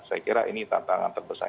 saya kira ini tantangan terbesar